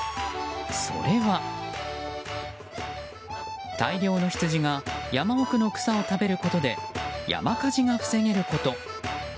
それは大量のヒツジが山奥の草を食べることで山火事が防げること。